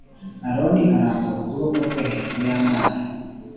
Aroni arambura ukuboko kwe hejuru y amazi